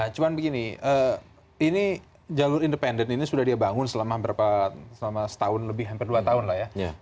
cuma begini ini jalur independen ini sudah dia bangun selama berapa selama setahun lebih hampir dua tahun lah ya